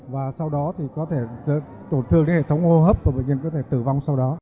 và sau đó thì có thể tổn thương cái hệ thống hô hấp và bệnh nhân có thể tử vong sau đó